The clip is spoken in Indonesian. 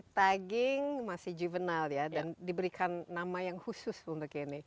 tagging masih juvenile ya dan diberikan nama yang khusus untuk ini